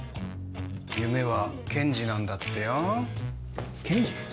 夢は検事なんだってよ検事？